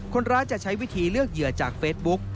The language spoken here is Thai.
คนร้ายจะใช้วิธีเลือกเหยื่อจากเฟซบุ๊ก